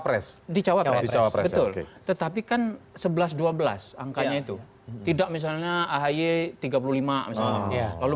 pres di jawa pres di jawa pres betul tetapi kan sebelas dua belas angkanya itu tidak misalnya ahaye tiga puluh lima lalu